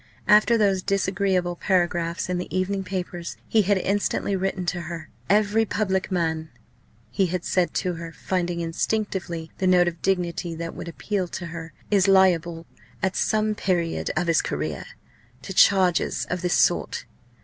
After those disagreeable paragraphs in the evening papers, he had instantly written to her. "Every public man" he had said to her, finding instinctively the note of dignity that would appeal to her "is liable at some period of his career to charges of this sort.